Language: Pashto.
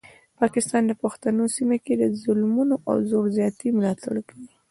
پاکستان د پښتنو سیمه کې د ظلمونو او زور زیاتي ملاتړ کوي.